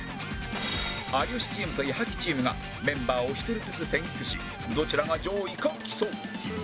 有吉チームと矢作チームがメンバーを１人ずつ選出しどちらが上位か競う